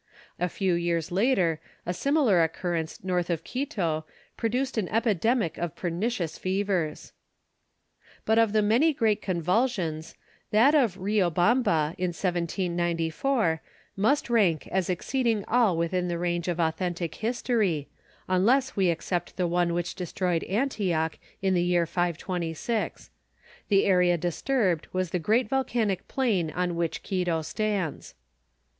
A few years later, a similar occurrence north of Quito produced an epidemic of pernicious fevers. But of the many great convulsions, that of Riobamba, in 1794, must rank as exceeding all within the range of authentic history, unless we except the one which destroyed Antioch in the year 526. The area disturbed was the great volcanic plain on which Quito stands.